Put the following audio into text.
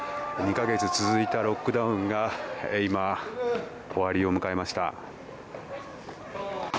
２か月続いたロックダウンが今、終わりを迎えました。